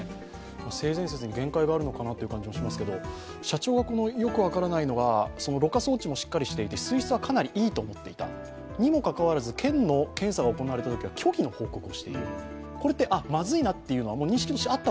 性善説に限界があるのかなという気がしますけれども、社長がよく分からないのがろ過装置もしっかりしていて水質はかなり良いと思っていたにもかかわらず、県の検査が行われたときには虚偽の報告をしている。